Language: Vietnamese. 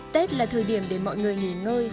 tết là thời điểm để mọi người nghỉ ngơi